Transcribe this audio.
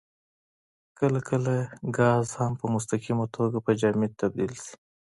کله کله ګاز هم په مستقیمه توګه په جامد تبدیل شي.